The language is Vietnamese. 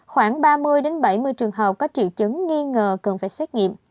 khoảng ba mươi bảy mươi trường hợp có triệu chứng nghi ngờ cần phải xét nghiệm